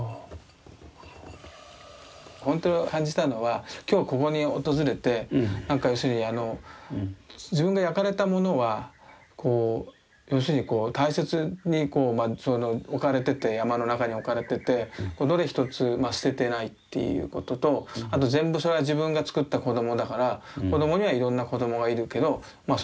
本当感じたのは今日ここに訪れて要するに自分が焼かれたものは要するにこう大切に置かれてて山の中に置かれててどれ一つ捨ててないっていうこととあと全部それは自分が作った子供だから子供にはいろんな子供がいるけどまあ